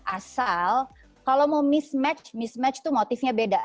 asal kalau mau mismatch mismatch itu motifnya beda